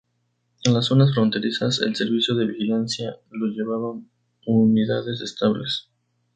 En las zonas fronterizas el servicio de vigilancia lo llevaban unidades estables.